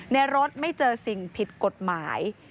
รถไม่เจอสิ่งผิดกฎหมาย